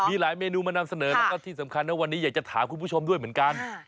มีหลายเมนูมานำเสนอแล้วก็ที่สำคัญนะวันนี้อยากจะถามคุณผู้ชมด้วยเหมือนกัน